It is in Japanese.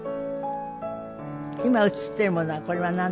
今映っているものはこれはなんですか？